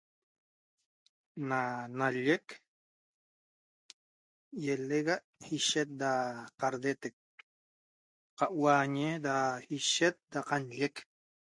Na nolleq ielexa ishet da cardeteq ca huañe da ishet da canolleq